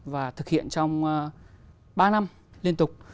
và thực hiện trong ba năm liên tục